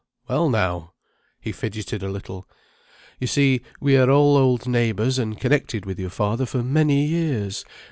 Well now!—" He fidgetted a little. "You see, we are all old neighbours and connected with your father for many years.